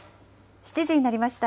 ７時になりました。